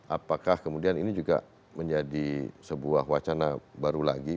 apakah kemudian ini juga menjadi sebuah wacana baru lagi